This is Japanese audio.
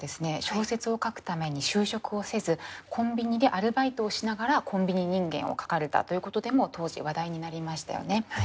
小説を書くために就職をせずコンビニでアルバイトをしながら「コンビニ人間」を書かれたということでも当時話題になりましたよね。